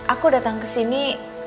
aku datang kesini